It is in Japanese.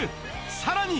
さらに。